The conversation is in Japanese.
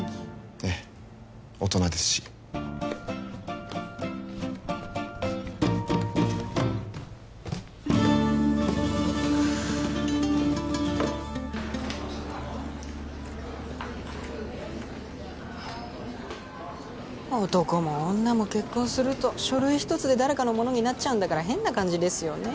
ええ大人ですし男も女も結婚すると書類一つで誰かのものになっちゃうんだから変な感じですよね